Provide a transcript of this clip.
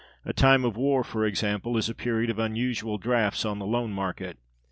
A time of war, for example, is a period of unusual draughts on the loan market.